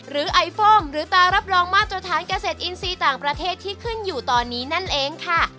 ไอโฟมหรือตารับรองมาตรฐานเกษตรอินทรีย์ต่างประเทศที่ขึ้นอยู่ตอนนี้นั่นเองค่ะ